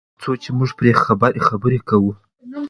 تر څو چې موږ پرې خبرې کوو.